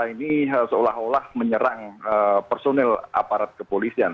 pengunjuk rasa ini seolah olah menyerang personil aparat kepolisian